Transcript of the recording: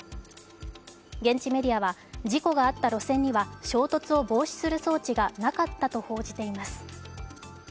現地メディアは、事故があった路線には、衝突を防止する装置がなかったと報じています。